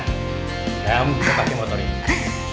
kamu bisa pakai motor ini